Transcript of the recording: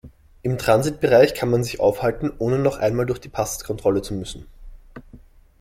Im Transitbereich kann man sich aufhalten, ohne noch einmal durch die Passkontrolle zu müssen.